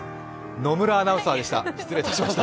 野村アナウンサーでした。